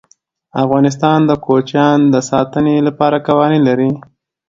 افغانستان د کوچیان د ساتنې لپاره قوانین لري.